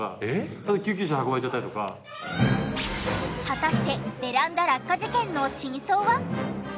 果たしてベランダ落下事件の真相は！？